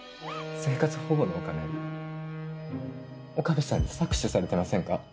生活保護のお金岡部さんに搾取されてませんか？